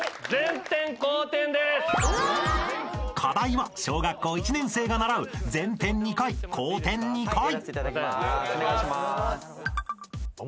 ［課題は小学校１年生が習う前転２回後転２回］